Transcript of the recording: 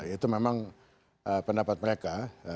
itu memang pendapat mereka